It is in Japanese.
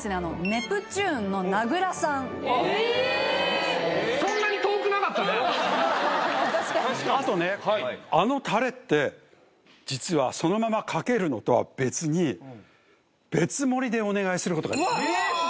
ネプチューンの名倉さんえっうんあとねあのタレって実はそのままかけるのとは別に別盛りでお願いすることができる